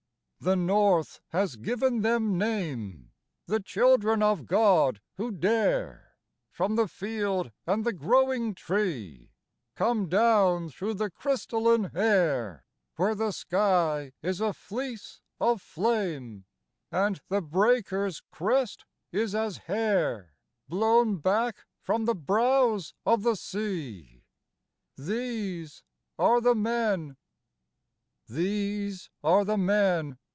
The North has given them name, The children of God who dare, From the field and the growing tree, Come down through the crystalline air Where the sky is a fleece of flame, And the breaker's crest is as hair Blown back from the brows of the sea ; These are the men ! These are the men